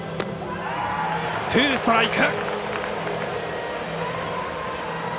ツーストライク。